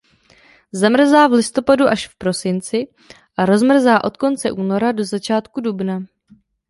Zamrzá v listopadu až v prosinci a rozmrzá od konce února do začátku dubna.